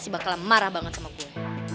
bakal marah banget sama gue